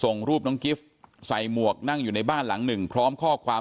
ส่งรูปน้องกิฟต์ใส่หมวกนั่งอยู่ในบ้านหลังหนึ่งพร้อมข้อความ